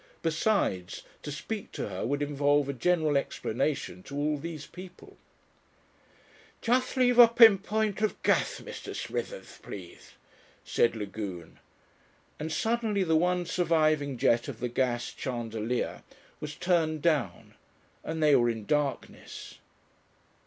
Besides to speak to her would involve a general explanation to all these people ... "Just leave a pin point of gas, Mr. Smithers, please," said Lagune, and suddenly the one surviving jet of the gas chandelier was turned down and they were in darkness.